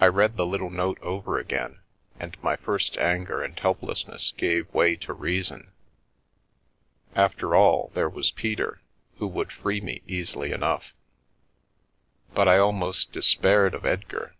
I read the little note over again, and my first anger and helplessness gave way to reason. After all, there was Peter, who would free me easily enough. But I almost despaired of Edgar.